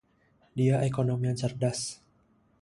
Dia ekonom yang cerdas.